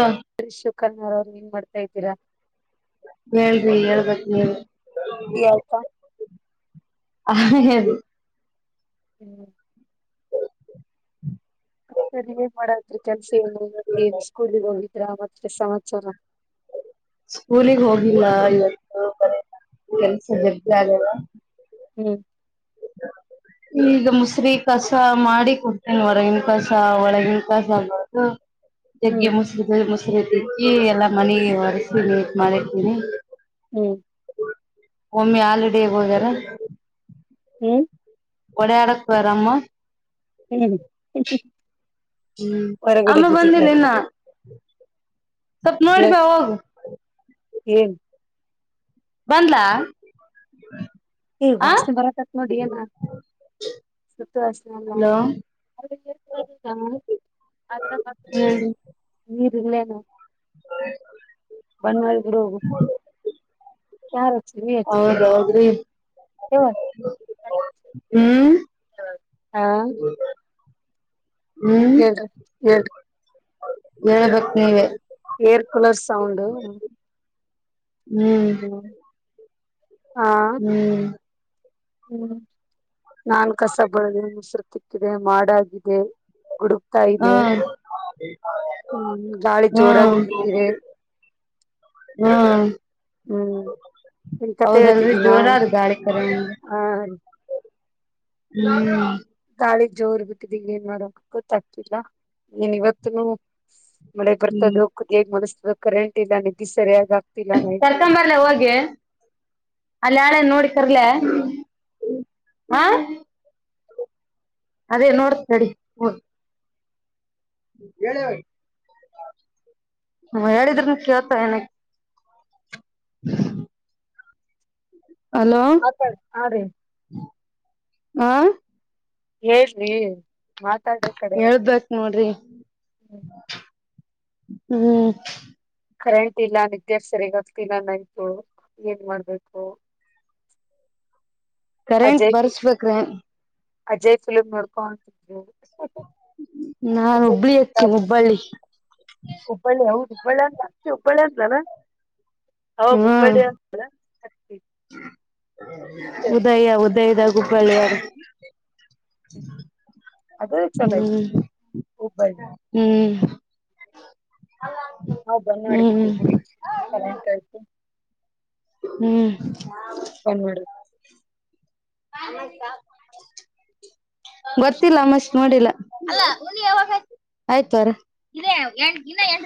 ಹ ಕನ್ನಾರ ಅವ್ರ ಏನ್ ಮಾಡ್ತಾ ಇದ್ದೀರಾ ಹೇಳ್ರಿ ಹೇಳ್ಬೇಕೇ ನೀವು ಟೀ ಆಯ್ತಾ ಹ ಹೇಳಿ ಹ್ಮ್ ಸರಿ ಏನ್ ಮಾಡತ್ರಿ ಕೆಲ್ಸ ಸ್ಕೂಲ್ [inaudible] ಮತ್ರ ಸಮಾಚಾರ ಸ್ಕೂಲಿಗೆ ಹೋಗಿಲ್ಲ ಇಲ್ಲಂತೂ ಬರೆ ಎಲ್ಲ ಕೆಲಸ ಆಗಲ್ಲ ಹ್ಮ್ ಈಗ ಮುಸರಿ ಕಸ ಮಾಡಿ ಕೊಡ್ತೇನೆ ಹೊರಗಿನ ಕಸ ಒಳಗಿನ ಕಸ ಬೆಳೆದು ಜಗ್ಗೆ ಹ್ಮ್ ಮುಸರಿದ ಮುಸಲಿ ತಿಕ್ಕಿ ಎಲ್ಲಾ ಮನೆಗೆ ಹೊರೆಸಿ ನೀಟ್ ಮಾಡಿರ್ತೀನಿ ಹ್ಮ್ ಒಮ್ಮಿ ಹಾಲಿಡೇಗೆ ಹೋಗ್ಯಾರ ಹ್ಮ್ ಒಡ ಅರ ಅರಾಮ್ ಹ್ಮ ಹ್ಮ್ ಅಮ್ಮ ಬಂದಿಲ್ಲ ಹೊರಗಡೆಗಿದ್ದಾರೆ ಇನ್ನ ಸ್ವಲ್ಪ ನೋಡಿಬಾ ಯಾಕ ಹೋಗು ಏನ್ ಬಂದ್ಲ ಏ ವಾಸನೆ ಬರತ್ತತ್ ನೋಡಿ ಏನ ಸುಟ್ಟು ವಾಸನೆ ಅಲ್ಲ ಹಲೋ ಹೇಳ್ರಿ ಇನ್ನೇನು ಬಂದ್ ಮಾಡಿಬಿಡು ಯಾರು ಹೌದ್ ಹೌದ್ರಿ ಹಾ ಹ್ಮ್ ಆ ಹ್ಮ್ ಹೇಳ್ರಿ ಹೇಳ್ರಿ ಹೇಳ್ಬೇಕ್ ನೀವೇ ಏರ್ ಕೂಲರ್ ಸೌಂಡ ಹ್ಮ್ ಹಾ ಹ್ಮ್ ಹ್ಮ್ ನಾನ್ ಕಸಬಳಾದಿ ಮೂಸರಿ ತಿಕ್ಕಿದೆ ಮಾಡ ಆಗಿದೆ ಗುಡುಗುತಾ ಹಾ ಇದೆ ಹ್ಮ್ ಗಾಳಿ ಹಾ ಜೋರಾಗಿ ಬಿಟ್ಟಿದೆ ಹಾ ಹ್ಮ್ ಈ ಕಥೆ ಹೌದಲ್ರಿ ಹೇಳ್ತಿದ್ದೀಿನಾ ಜೋರ ಅದ ಗಾಳಿ ಕರ ಹಾರಿ ಹ್ಮ ಗಾಳಿ ಜೋರ್ ಬಿಟ್ಟಿದ್ದೆ ಏನ್ ಮಾಡಕ ಗೊತ್ತ ಆಗ್ತಿಲ್ಲಾ ಇವತ್ತಿಗೂ ಮಳೆ ಹ್ಮ್ ಬರ್ತದ ಹುದಗ್ ಮಸ್ಸ ಕರೆಂಟ್ ಇಲ್ಲಾ ನಿದ್ದಿ ಸರಿಯಾಗ ಆಗ ಕರ್ಕೊಂಬರಲ್ಲಾ ಹೋಗಿ ಅಲ್ಲಿ ಯಾಳೆ ನೋಡಿ ಕರ್ಲೆ ಹಾ ಅದೇ ನೋಡ ತಡಿ ಹೋಗಿ ಹ್ಮ ಹೇಳಿದ್ರನು ಕೇಳ್ತಾ ಏನಾ [unintelligible] ಹಲೋ ಮಾತಾಡ್ ಹಾ ರೀ ಆ ಹೇಳ್ರಿ ಮತ್ತ ಹೇಳ ಬೇಕು ನೋಡ್ರಿ ಹ್ಮ್ ಕರೆಂಟ ಇಲ್ಲಾ ಅದಕ್ಕೆ ಸರಿಯಾಗಿ ಆಗ್ತಿಲ್ಲಾ ನೈಟು ಏನ್ ಮಾಡ್ಬೇಕು ಕರೆಂಟ್ ಅಜಯ್ ಫಿಲ್ ಬರ್ಸ್ಬೇಕ್ರೇ ಅಜಯ್ ಫಿಲಮ್ ನೋಡ್ ಕೊಡ್ಡು ನಾ ಹುಬ್ಬಳಿ ಹಚ್ಚೇನಿ ಹುಬ್ಬಳ್ಳಿ ಹುಬ್ಬಳ್ಳಾ ಜಾಸ್ತಿ ಹುಬ್ಬಳ್ಳಂದನ ಹೌದ ಹ್ಮ್ ಹುಬ್ಬಳ್ಳಿ ಅಂತ ಉದಯ ಉದಯದ ಗು ಹುಬ್ಬಳ್ಳಿ ಹ್ಮ್ ಅದು ಚಲೋ ಐತಿ ಹ್ಮ್ ಹುಬ್ಬಳ್ಳಿ ಹ್ಮ್ ನಾವ ಬಂದ್ ಮಾಡಿದ್ವಿ ಹ್ಮ್ ಹ್ಮ್ ಕನ್ ಮಾಡಡ ಹ [inaudible] ಗೊರ್ತ್ತಲ್ಲಾ ಅಮಾಸ ನೋಡಿಲ್ಲಾ ಅಲ್ಲಾ ಹುಣ್ಣಿ ಯಾವಾಗ ಆಯ್ತು ಆಯ್ತುವಾರ [inaudible] ಇನ್ನಾ ಎಂಟು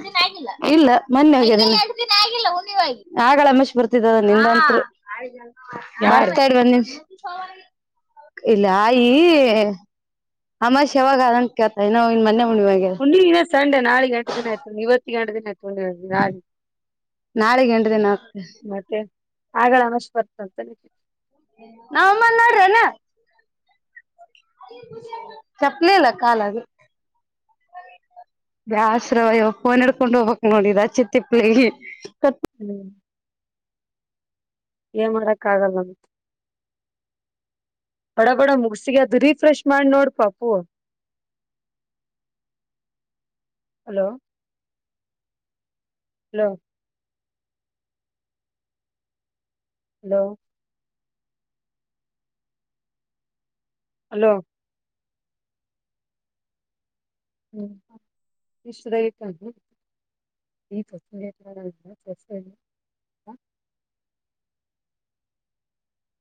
ದಿನ ಆಗಿಲ್ಲ ಇಲ್ಲಾ ಮೊನ್ನೆ ಆಗಿದ್ದ [inaudible] ಆಗಲೇ ಅಮಾವಾಸ್ಯೆ ಬರ್ತಿದ್ದ [inaudible] ಯಾರ್ ಬರ್ತಾರ ಒನ್ ನಿಮಿಷ ಇಲ್ಲಯ ಅಮ ಶ ಯಾವಾಗ ಅದನ್ ಕೇತ ಇ ನ ಇನ್ ಮೊೆ ಹುವಾಗ ಹುಣ್ಣಿ ಇನ್ನ ಸಂಡೆ ನಾಳೆ ಗಂ ದಿನ ಆಯತ ಇವತ್ತುಂಟುನಯತು ನಾಳೆ ಎಂಟ ದ ನಾ ಆಗಲ್ಲ ಅನಷ್ಟು ಬರ್ತಂತ ನಮ್ಮ ನಡನೆ ಚಪ್ಲಿ ಇಲ್ಲ ಕಾಲ ಅದು ದಶ್ರವಯ ನ್ ಹಡ್ಕೊಂಡು ಹೋಗ್ಕ್ ನೋಡಿದ ಚಿ ತಿಪ್ಪಲಿ ಹ್ಮ್ ಏ ಮಾಡಕ್ ಆಗಲ್ಲಂತ ಹೊಡಗಡ ಮುಗಸಿಗೆ ಅದು ರೀಫ್ರೆಶ್ ಮಾಡಿ ನೋಡ್ ಪಾಪು ಹಲೋ ಹಲೋ ಹಲೋ ಹಲೋ ಹ್ಮ ಈ